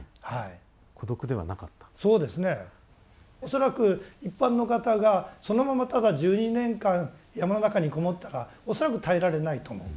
恐らく一般の方がそのままただ１２年間山の中に籠もったら恐らく耐えられないと思う。